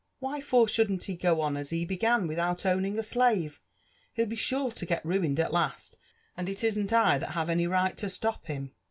Why for shouldn't he go on as he began, without owning a slave? He'll be sure to get ruined at last, and it isn't I that have any right to slop him."